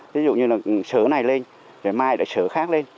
ví dụ như là sở này lên rồi mai lại sở khác lên